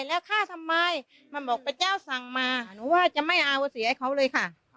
แล้วฆ่าทำไมมันบอกพระเจ้าสั่งมาหนูว่าจะไม่อาวเสียให้เขาเลยค่ะ